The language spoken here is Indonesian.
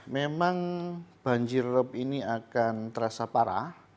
memang banjir rob ini akan terasa parah